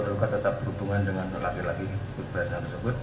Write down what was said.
tergugat tetap berhubungan dengan terlaki laki good branch nya tersebut